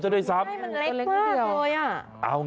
หิวยมาก